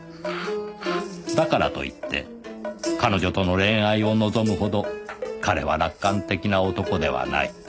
だからといって“彼女”との恋愛を望むほど“彼”は楽観的な男ではない